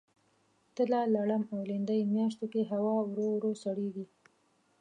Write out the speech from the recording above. تله ، لړم او لیندۍ میاشتو کې هوا ورو ورو سړیږي.